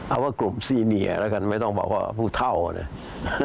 เอาว่ากลุ่มซีเนียแล้วกันไม่ต้องบอกว่าผู้เท่าเลย